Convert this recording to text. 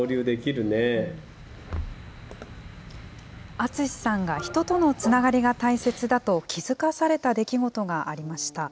淳さんが人とのつながりが大切だと気付かされた出来事がありました。